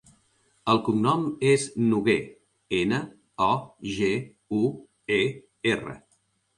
El cognom és Noguer: ena, o, ge, u, e, erra.